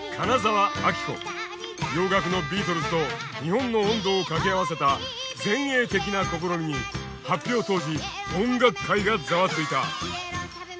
洋楽のビートルズと日本の音頭を掛け合わせた前衛的な試みに発表当時音楽界がざわついた。